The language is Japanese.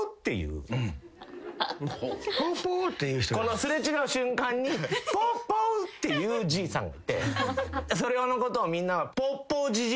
この擦れ違う瞬間に「ぽーぽー」って言うじいさんがいてそれのことをみんな。